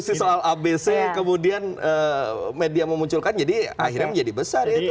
posisi soal abc kemudian media memunculkan jadi akhirnya menjadi besar ya